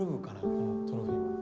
このトロフィーは。